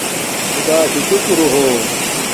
خدݳشُݸ شُکُرݸ ہݸ.